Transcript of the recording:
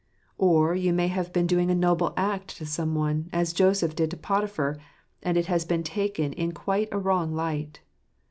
Or you may have been doing a noble act to some one, as Joseph did to Potiphar, and it has been taken in quite a wrong light.